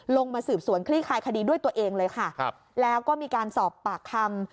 ลงมาสืบสวนคลี่คลายคดีด้วยตัวเองเลยค่ะครับแล้วก็มีการสอบปากคำ